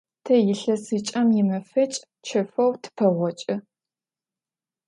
Тэ илъэсыкӏэм имэфэкӏ чэфэу тыпэгъокӏы.